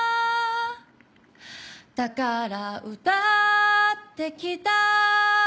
「だから歌ってきた」